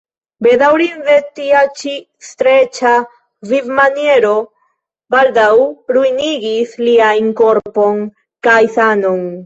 Bedaŭrinde tia ĉi streĉa vivmaniero baldaŭ ruinigis liajn korpon kaj sanon.